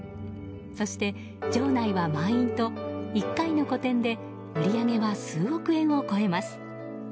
そして、場内は満員と１回の個展で売り上げは数億円を超えます。